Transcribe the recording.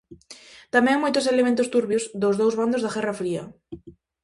Tamén moitos elementos turbios, dos dous bandos da guerra fría.